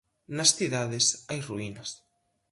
Nas cidades hai ruínas.